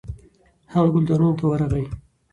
هغه ګلدانونو ته ورغی.